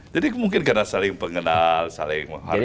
jadi mungkin karena saling pengenal saling menghargai